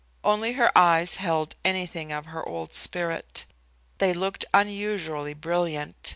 Only her eyes held anything of her old spirit. They looked unusually brilliant.